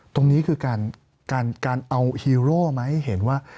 ตรงนี้คือการเอาฮีโร่มาให้เห็นว่า